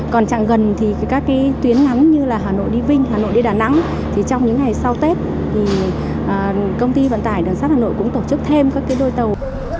còn chẳng gần thì các tuyến ngắn như hà nội đi vinh hà nội đi đà nẵng trong những ngày sau tết công ty vận tải đường sát hà nội cũng tổ chức thêm các đôi tàu